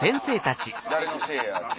誰のせいやって。